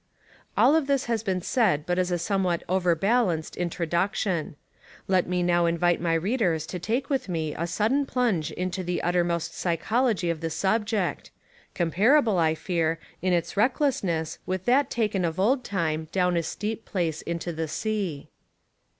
All of this has been said but as a somewhat overbalanced introduction. Let me now Invite my readers to take with me a sudden plunge Into the uttermost psychology of the subject," comparable, I fear, in Its recklessness with that 105 Essays and Literary Studies taken of old time down a steep place Into the sea.